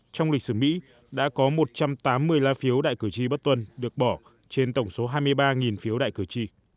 trong lịch sử mỹ đã có một trăm tám mươi la phiếu đại cử tri bất tuân được bỏ trên tổng số hai mươi ba phiếu đại cử tri